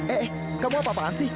eh kamu apa apaan sih